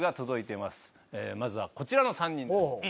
まずはこちらの３人です。